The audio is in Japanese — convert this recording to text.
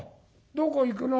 どこ行くの！」。